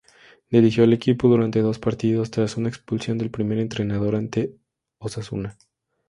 Dirigió al equipo durante dos partidos tras una expulsión del primer entrenador ante Osasuna.